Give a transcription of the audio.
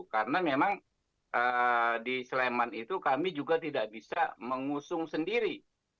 karena memang di sleman itu kami juga tidak bisa mengusung sendiri